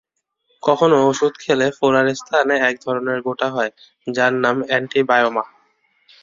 কখনো ওষুধ খেলে ফোঁড়ার স্থানে একধরনের গোটা হয়, যার নাম অ্যান্টিবায়োমা।